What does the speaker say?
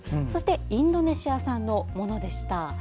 そしてインドネシア産のものでした。